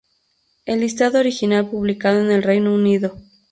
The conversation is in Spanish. El listado original publicado en el Reino Unido